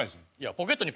ポケットに。